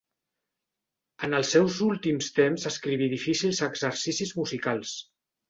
En els seus últims temps escriví difícils exercicis musicals.